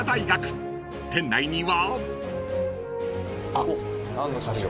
［店内には］